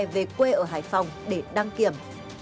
về quê ở hải phòng để đăng kiểm